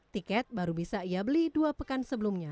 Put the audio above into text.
tiket baru bisa ia beli dua pekan sebelumnya